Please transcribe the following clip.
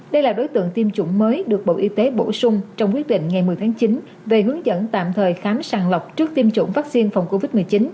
đây là đối tượng tiêm chủng mới được bộ y tế bổ sung trong quyết định ngày một mươi tháng chín về hướng dẫn tạm thời khám sàng lọc trước tiêm chủng vaccine phòng covid một mươi chín